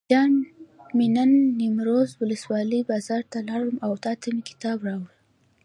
جان مې نن نیمروز ولسوالۍ بازار ته لاړم او تاته مې کتاب راوړل.